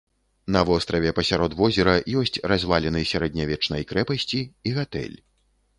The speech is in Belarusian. На востраве пасярод возера ёсць разваліны сярэднявечнай крэпасці і гатэль.